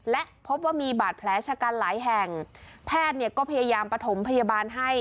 และพบว่ามีบาดแผลชะกันหลายแห่งแพทย์เนี่ยก็พยายามประถมพยาบาลให้